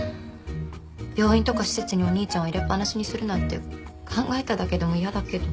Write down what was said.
病院とか施設にお兄ちゃんを入れっぱなしにするなんて考えただけでも嫌だけど。